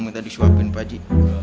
minta disuapin pak aji